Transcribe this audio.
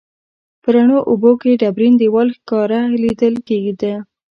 په روڼو اوبو کې ډبرین دیوال ښکاره لیدل کیده.